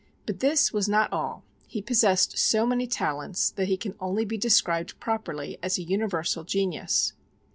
But this was not all: he possessed so many talents that he can only be described properly as a universal genius.